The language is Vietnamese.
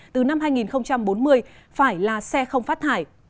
từ năm hai nghìn bốn mươi phải là xe không phát thải